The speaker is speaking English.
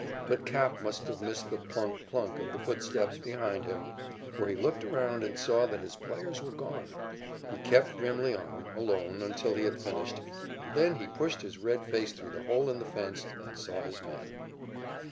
But "Cap" must have missed the "plunk, plunk" of the footsteps behind him, for he looked around and saw that his players were gone. He kept grimly on, alone, until he had finished, and then he pushed his red face through the hole in the fence and saw his men.